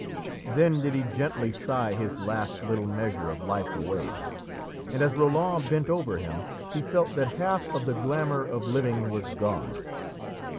Then did he gently sigh his last little measure of life away, and as Roland bent over him he felt that half of the glamour of living was gone.